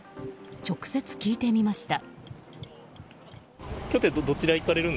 直接、聞いてみました。